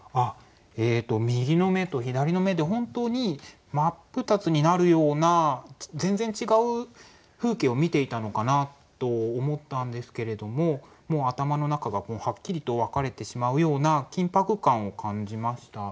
右の眼と左の眼で本当に真っ二つになるような全然違う風景を見ていたのかなと思ったんですけれども頭の中がはっきりと分かれてしまうような緊迫感を感じました。